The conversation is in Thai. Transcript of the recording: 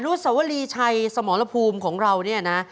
สวรีชัยสมรภูมิของเราเนี่ยนะ